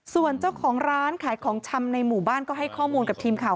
ส่วนเจ้าของร้านขายของชำในหมู่บ้านก็ให้ข้อมูลกับทีมข่าว